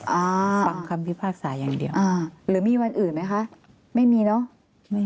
อ่าฟังคำพิพากษาอย่างเดียวอ่าหรือมีวันอื่นไหมคะไม่มีเนอะ